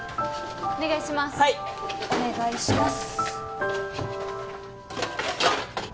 はい・お願いします